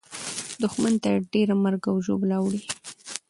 دښمن ته ډېره مرګ او ژوبله اوړي.